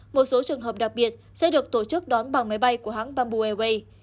một số trường hợp đặc biệt sẽ được tổ chức đón bằng máy bay của hãng bamboo airways